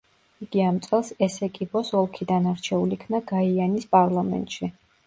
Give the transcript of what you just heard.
იგი ამ წელს ესეკიბოს ოლქიდან არჩეულ იქნა გაიანის პარლამენტში.